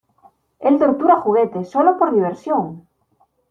¡ Él tortura juguetes, sólo por diversión!